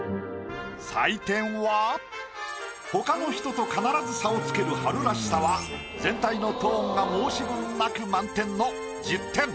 採点はほかの人と必ず差をつける春らしさは全体のトーンが申し分なく満点の１０点。